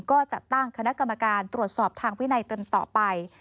ก็จะตั้งคณะกรรมการตรวจสอบทางวินัยตนต่อไป